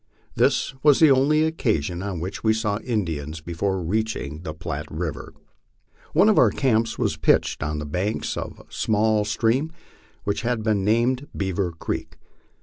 This was the only occasion on which we saw Indians before reaching the Platte river. One of our camps was pitched on the banks of a small stream which had been named Beaver Creek.